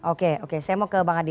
oke oke saya mau ke bang adi